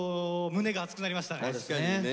確かにね。